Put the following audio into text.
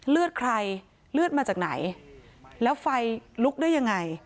เลือดใครเลือดมาจากไหนแล้วไฟลุกได้ยังไง